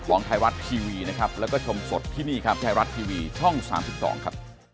ขอบคุณครับ